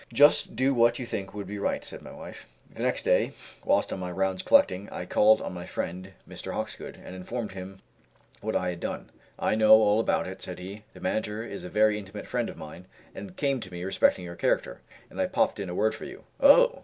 "Just do what you think would be right," said my wife. The next day, whilst on my rounds collecting, I called on my friend, Mr. Hawkesgood, and informed him what I had done. "I know all about it," said he, "the manager is a very intimate friend of mine, and came to me respecting your character, and I popped in a word for you" Oh!"